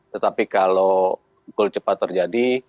tetapi kalau goal cepat terjadi